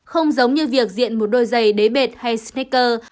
không giống như việc diện một đôi giày đế bệt hay sneaker